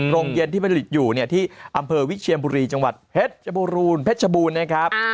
โรงเยนที่ผลิตอยู่ที่อำเภอวิชเชียมพุรีจังหวัดเพชรชบูรณ์นะครับ